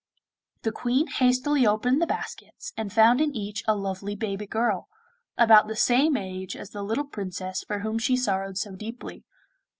The Queen hastily opened the baskets, and found in each a lovely baby girl, about the same age as the little Princess for whom she sorrowed so deeply.